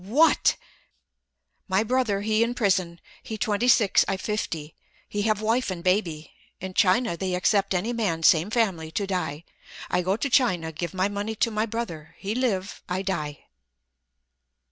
"What!" "My brother, he in prison. He twenty six, I fifty. He have wife and baby. In China they accept any man same family to die. I go to China, give my money to my brother—he live, I die!"